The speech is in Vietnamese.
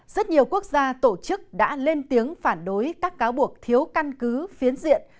rất nhiều quốc gia tổ chức đã lên tiếng phản đối các cáo buộc thiếu căn cứ phiến diện